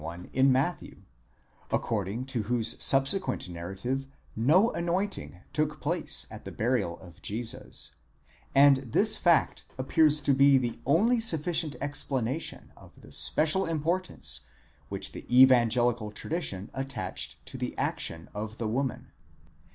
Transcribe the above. one in Matthew, according to whose subsequent narrative no anointing took place at the burial of Jesus, and this fact appears to be the only sufficient explanation of the special importance which the Evangelical tradition attached to the action of the woman.